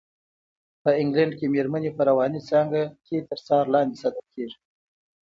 په انګلنډ کې مېرمنې په رواني څانګه کې تر څار لاندې ساتل کېږي.